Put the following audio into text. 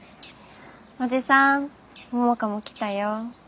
おじさん桃香も来たよ。